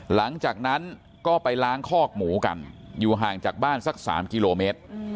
หลังจากนั้นก็ไปล้างคอกหมูกันอยู่ห่างจากบ้านสัก๓กิโลเมตร